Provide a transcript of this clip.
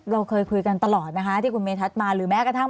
เราเคยคุยกันตลอดนะคะที่คุณเมทัศน์มาหรือแม้กระทั่ง